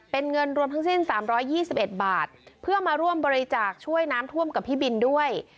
เป็นเงินรวมทั้งสิ้น๓๒๑บาทเพื่อมาร่วมบริจาคช่วยน้ำท่วมกับพี่บินด้วย